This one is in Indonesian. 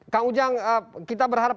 kang ujang kita berharap